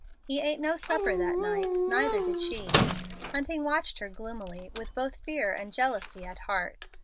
He ate no supper that night, neither did she. Hunting watched her gloomily, with both fear and jealousy at heart.